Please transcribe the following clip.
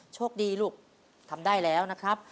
โชคดีลูกทำได้แล้วนะครับ